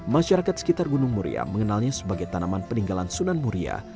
masyarakat sekitar gunung muria mengenalnya sebagai tanaman peninggalan sunan muria